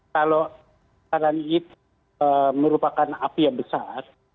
kalau taran itu merupakan api yang besar